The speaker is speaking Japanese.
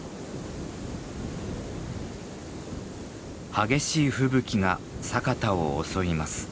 激しい吹雪が佐潟を襲います。